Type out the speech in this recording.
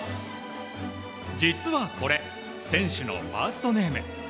実はこれ選手のファーストネーム。